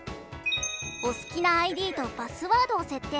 お好きなＩＤとパスワードを設定。